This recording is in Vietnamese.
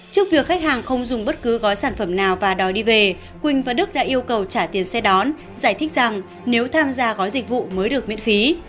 trước việc khách hàng không dùng bất cứ gói sản phẩm nào và đòi đi về quỳnh và đức đã yêu cầu trả tiền xe đón giải thích rằng nếu tham gia gói dịch vụ mới được miễn phí